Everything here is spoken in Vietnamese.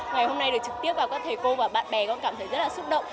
ngày hôm nay được trực tiếp vào các thầy cô và bạn bè con cảm thấy rất là xúc động